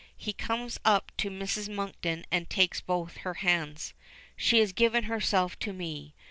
He comes up to Mrs. Monkton and takes both her hands. "She has given herself to me.